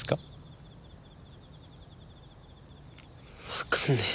わかんねえ。